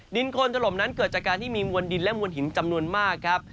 โคนถล่มนั้นเกิดจากการที่มีมวลดินและมวลหินจำนวนมากครับ